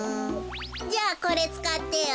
じゃあこれつかってよ。